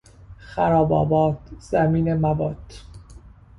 خراب آباد، زمین موات